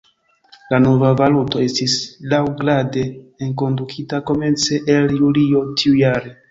La nova valuto estis laŭgrade enkondukita komence el Julio tiujare.